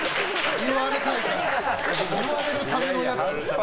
言われるためのやつ。